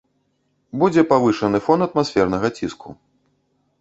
Будзе павышаны фон атмасфернага ціску.